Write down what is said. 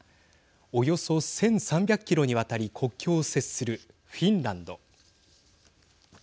およそ１３００キロにわたり国境を接するフィンランド。